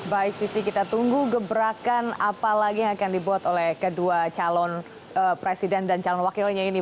baik sisi kita tunggu gebrakan apa lagi yang akan dibuat oleh kedua calon presiden dan calon wakilnya ini